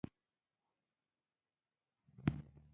خو ما ته د ميړانې کار نه بريښي.